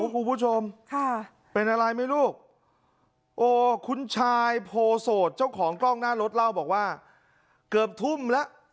คุณผู้ชมค่ะเป็นอะไรไหมลูกโอ้คุณชายโพโสดเจ้าของกล้องหน้ารถเล่าบอกว่าเกือบทุ่มแล้ว